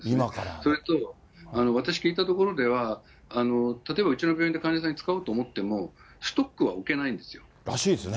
それと、私聞いたところでは、例えばうちの病院で患者さんに使おうと思っても、ストックは置けらしいですね。